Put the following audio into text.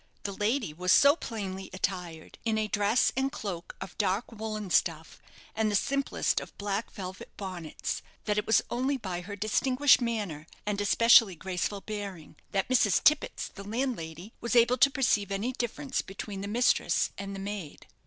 The lady was so plainly attired, in a dress and cloak of dark woollen stuff, and the simplest of black velvet bonnets, that it was only by her distinguished manner, and especially graceful bearing, that Mrs. Tippets, the landlady, was able to perceive any difference between the mistress and the maid.